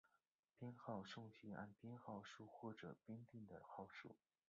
编号按顺序编号数或者编定的号数。